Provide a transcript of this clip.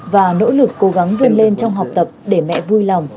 và nỗ lực cố gắng vươn lên trong học tập để mẹ vui lòng